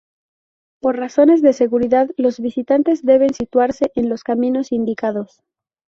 Por razones de seguridad, los visitantes deben situarse en los caminos indicados.